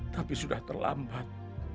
tapi sudah terlambat